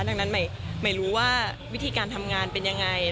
ดังนั้นไม่รู้ว่าวิธีการทำงานเป็นยังไง